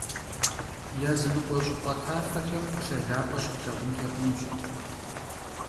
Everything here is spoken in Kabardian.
Yazınıkhue ş'ıp'e tafexem lhagap'e şıplhağunç'i xhunuş.